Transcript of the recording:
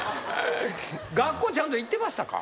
学校ちゃんと行ってましたか？